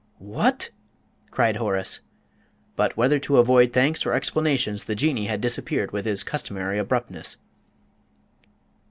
"What!" cried Horace. But, whether to avoid thanks or explanations, the Jinnee had disappeared with his customary abruptness.